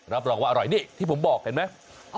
รับรองว่าอร่อยนี่ที่ผมบอกเห็นไหม